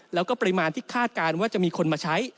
แล้วก็ปริมาณที่คาดการณ์ว่าจะมีคนมาใช้